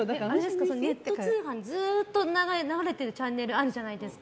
通販、ずっと流れているチャンネルあるじゃないですか。